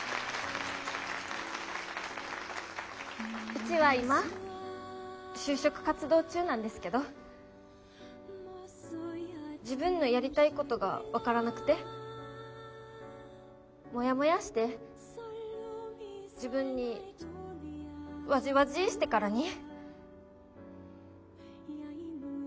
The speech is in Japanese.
うちは今就職活動中なんですけど自分のやりたいことが分からなくてもやもやーして自分にわじわじーしてからに。